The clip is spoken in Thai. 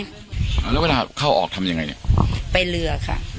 เอาแล้วเวลาเข้าออกทำยังไงเนี่ยไปเรือค่ะ